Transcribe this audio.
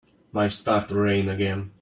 Might start to rain again.